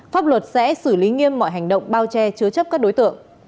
pháp luật sẽ xử lý nghiêm mọi hành động bao che chứa chấp các đối tượng